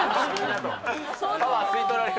パワー吸い取られる？